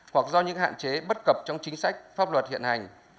hoặc do những hạn chế bất cập trong chính sách pháp luật hiện hành